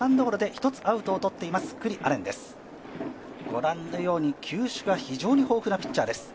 御覧のように球種が非常に豊富なピッチャーです。